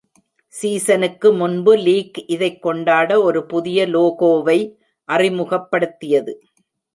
சீசனுக்கு முன்பு லீக் இதைக் கொண்டாட ஒரு புதிய லோகோவை அறிமுகப்படுத்தியது.